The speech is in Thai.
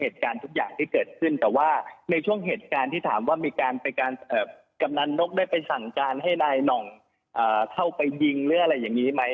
เท่าไปยิงหรืออะไรอย่างนี้ไหม